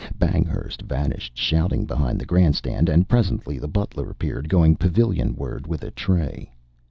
Banghurst vanished shouting behind the grand stand, and presently the butler appeared going pavilionward with a tray.